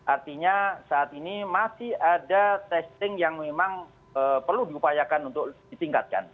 artinya saat ini masih ada testing yang memang perlu diupayakan untuk ditingkatkan